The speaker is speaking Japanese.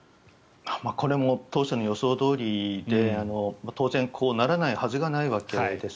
これも当初の予想どおりで当然こうならないはずがないわけです。